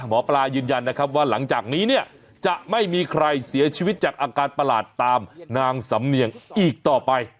หมอปลายืนยันนะครับว่าหลังจากนี้เนี่ยจะไม่มีใครเสียชีวิตจากอาการประหลาดตามนางสำเนียงอีกต่อไป